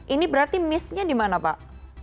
ini berarti miss nya dimana pak